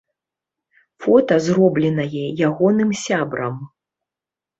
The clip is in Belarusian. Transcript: Фота зробленае ягоным сябрам.